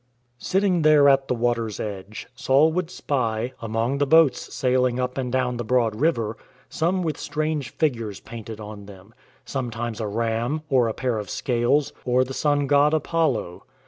Sitting there at the water's edge, Saul would spy, among the boats sailing up and down the broad river, some with strange figures painted on them — sometimes a Ram, or a pair of Scales, or the Sun God Apollo.